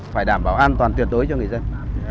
phải đảm bảo an toàn tuyệt đối cho người dân